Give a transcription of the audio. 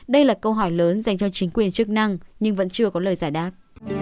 đây là câu hỏi lớn dành cho chính quyền chức năng nhưng vẫn chưa có lời giải đáp